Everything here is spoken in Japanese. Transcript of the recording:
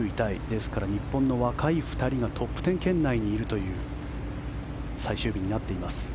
ですから日本の若い２人がトップ１０圏内にいるという最終日になっています。